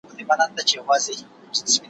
ستا له پوره به مي کور کله خلاصېږي